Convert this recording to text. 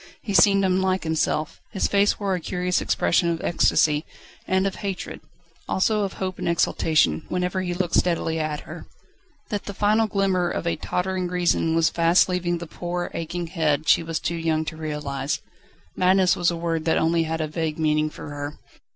He seemed unlike himself. His face wore a curious expression of ecstasy and of hatred, also of hope and exultation, whenever he looked steadily at her. That the final glimmer of a tottering reason was fast leaving the poor, aching head she was too young to realise. Madness was a word that had only a vague meaning for her.